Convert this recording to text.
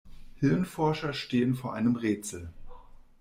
Hirnforscher stehen vor einem Rätsel.